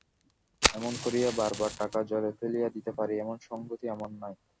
এমনি করিয়া বার বার টাকা জলে ফেলিয়া দিতে পারি এমন সংগতি আমার নাই।